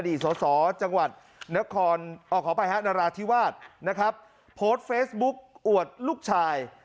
อดีตส่อจังหวัดนรธิวาสนะครับโพสต์เฟซบุ๊กอวดลูกชาย